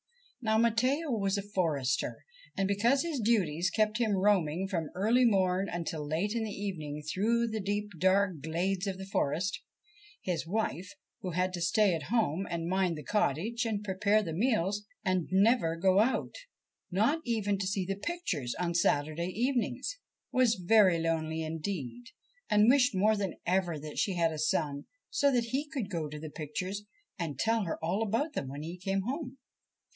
Now Matteo was a forester, and, because his duties kept him roaming from early morn until late in the evening through the deep dark glades of the forest, his wife, who had to stay at home and mind the cottage and prepare the meals, and never go out, not even to see the pictures on Saturday evenings, was very lonely indeed and wished more than ever that she had a son, so that he could go to the pictures and tell her all about them when he came home.